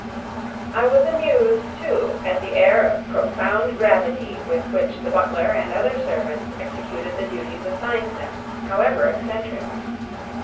I was amused, too, at the air of profound gravity with which the butler and other servants executed the duties assigned them, however eccentric.